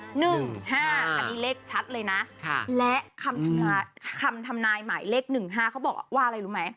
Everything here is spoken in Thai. อันนี้เลขชัดเลยนะและคำทำนายหมายเลข๑๕เขาบอกว่าอะไรรู้ไหม